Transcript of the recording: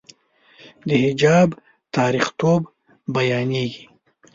د حجاب تاریخيتوب بیانېږي.